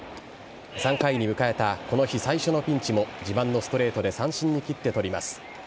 ３回に迎えたこの日最初のピンチも自慢のストレートで三振に切って取ります。